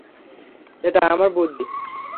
এটা আমার বুদ্ধি।